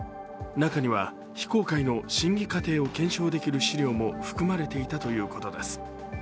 中には非公開の審議過程を検証できる資料も含まれていたということです。